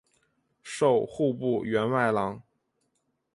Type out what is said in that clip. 授户部员外郎。